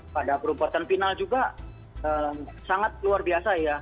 pada perumpatan final juga sangat luar biasa ya